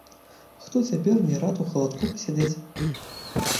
Хто цяпер не рад у халадку пасядзець!